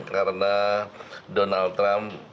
karena donald trump